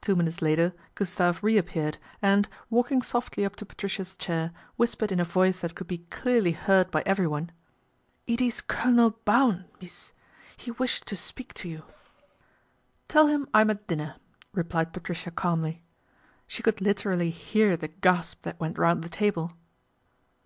Two minutes later Gustave reappeared and, walking softly up to Patricia's chair, whispered in a voice that could be clearly heard by everyone, " It ees Colonel Baun, mees. He wish to speak ta you." 50 PATRICIA BRENT, SPINSTER 1 Tell him I'm at dinner," replied Patricia calmly. She could literally hear the gasp that went round the table.